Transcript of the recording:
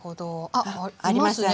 あっありますね。